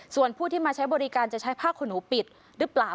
ส่วนผู้ที่มาใช้บริการจะใช้ผ้าขนหนูปิดหรือเปล่า